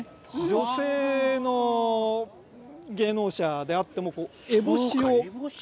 女性の芸能者であっても烏帽子をかぶります。